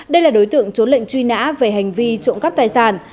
đây là đối tượng trốn lệnh truy nã về hành vi trộm cắp tài sản